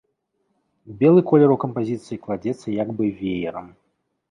Белы колер у кампазіцыі кладзецца як бы веерам.